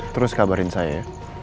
terus kabarin saya ya